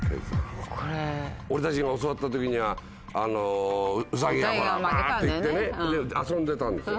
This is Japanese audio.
俺たちが教わった時にはウサギがバって行ってね遊んでたんですよ。